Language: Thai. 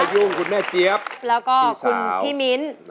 คุณพ่อยุ่งคุณแม่เจี๊ยบพี่สาวแล้วก็คุณพี่มิน